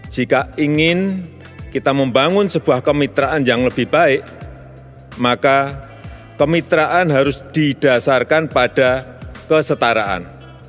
jika ingin kita membangun sebuah kemitraan yang lebih baik maka kemitraan harus didasarkan pada kesetaraan